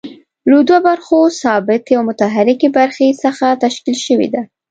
له دوو برخو ثابتې او متحرکې برخې څخه تشکیل شوې ده.